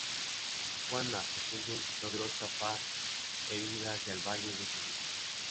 Juana Azurduy logró escapar herida hacia el valle de Segura.